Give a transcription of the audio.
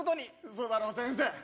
嘘だろ先生。